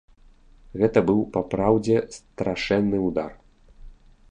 Гэта быў папраўдзе страшэнны ўдар.